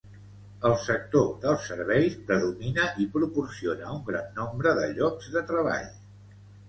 El sector dels serveis predomina i proporciona un gran nombre de llocs de treball.